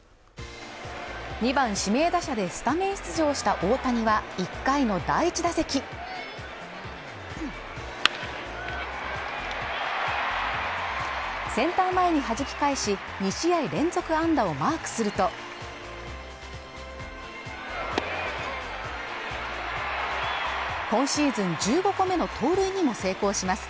２番指名打者でスタメン出場した大谷は１回の第１打席センター前にはじき返し２試合連続安打をマークすると今シーズン１５個目の盗塁にも成功します